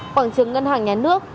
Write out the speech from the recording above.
quảng trường ngân hàng nhà nước